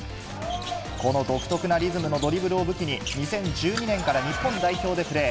この独特なリズムのドリブルを武器に、２０１２年から日本代表でプレー。